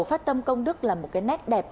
phát tâm công đức là một nét đẹp